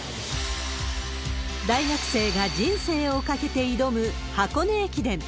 大学生が人生を懸けて挑む箱根駅伝。